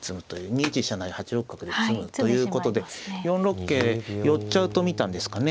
２一飛車成８六角で詰むということで４六桂寄っちゃうと見たんですかね。